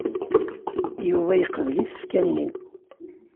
Yuba yeqbel isefka-nni.